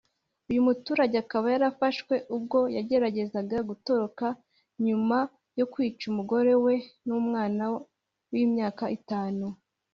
Uyu muturage akaba yafashwe ubwo yageragezaga gutoroka nyuma yo kwica umugore we n’umwana w’imyaka itanu